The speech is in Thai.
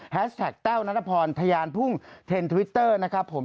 แท็กแต้วนัทพรทยานพุ่งเทนทวิตเตอร์นะครับผม